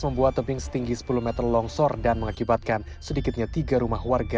membuat tebing setinggi sepuluh m longsor dan mengakibatkan sedikitnya tiga rumah warga